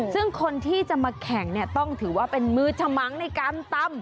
ซึ่งคนที่จะมาแข่งเนี่ยต้องถือว่าเป็นมือฉมังในการตำ